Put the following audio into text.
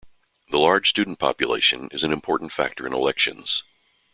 The large student population is an important factor in elections.